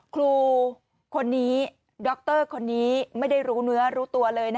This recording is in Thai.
ครูคนนี้ดรคนนี้ไม่ได้รู้เนื้อรู้ตัวเลย